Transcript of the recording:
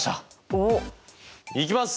おっ。いきます！